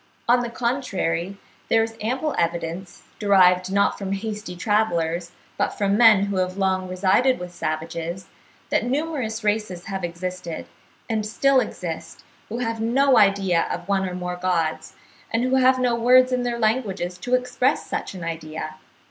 On the contrary there is ample evidence, derived not from hasty travellers, but from men who have long resided with savages, that numerous races have existed, and still exist, who have no idea of one or more gods, and who have no words in their languages to express such an idea.